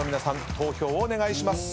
投票をお願いします。